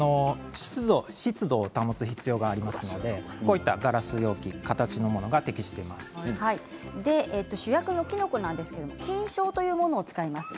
湿度を保つ必要がありますのでガラス容器主役のきのこは菌床というものを使います。